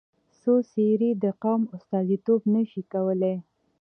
څو څېرې د قوم استازیتوب نه شي کولای.